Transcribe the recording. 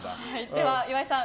では、岩井さん